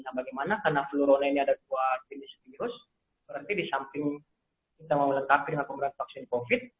nah bagaimana karena furona ini ada dua jenis virus berarti disamping kita mau meletakkan dengan pemberian vaksin covid